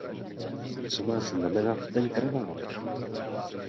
Co má znamenat ten kravál?